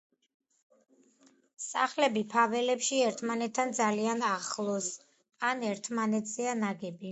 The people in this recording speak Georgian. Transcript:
სახლები ფაველებში ერთმანეთთან ძალიან ახლოს ან ერთმანეთზეა ნაგები.